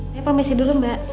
saya promesi dulu mbak